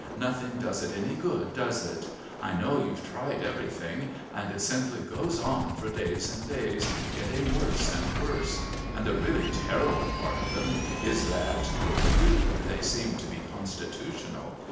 Nothing does it any good, does it? I know you've tried everything, and it simply goes on for days and days, getting worse and worse. And the really terrible part of them is that, with you, they seem to be constitutional.